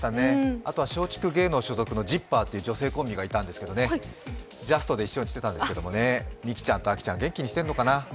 あとは松竹芸能所属のジッパーという女性コンビがいたんですけど、ジャストで一緒にしてたんですけど、みきちゃんとあきちゃん、元気にしているかなぁ。